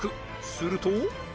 すると